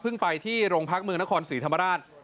ไปที่โรงพักเมืองนครศรีธรรมราช